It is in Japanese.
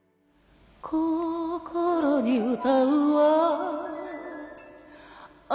心に歌うは